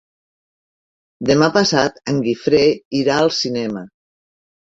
Demà passat en Guifré irà al cinema.